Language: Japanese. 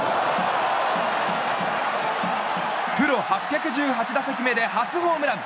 プロ８１８打席目で初ホームラン。